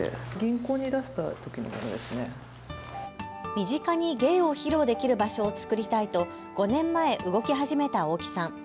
身近に芸を披露できる場所を作りたいと５年前、動き始めた大木さん。